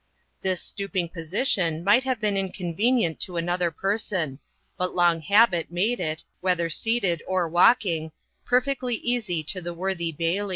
This stooping position might have been inconvenient to another person; but long habit made it, whether seated or walking, perfectly easy to the worthy Bailie.